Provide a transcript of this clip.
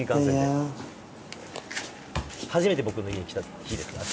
初めて僕の家に来た日ですあっ